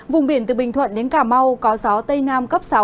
vùng biển từ bình thuận đến cà mau có gió tây nam cấp sáu